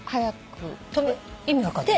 意味分かんない。